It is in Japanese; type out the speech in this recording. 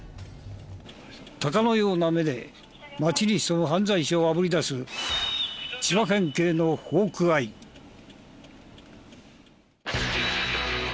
鷹のような目で街に潜む犯罪者をあぶり出す千葉県警の４１歳。